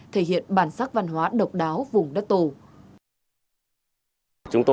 thể hiện bản sắc văn hóa độc đáo vùng đất tổ